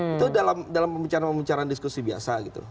itu dalam pembicaraan pembicaraan diskusi biasa gitu